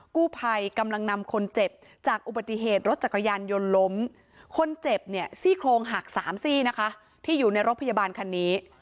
กู้ภัยกำลังนำคนเจ็บจากอุบัติเหตุรถจักรยานยนต์ล้มคนเจ็บเนี่ยซี่โครงหักสามซี่นะคะที่อยู่ในรถพยาบาลคันนี้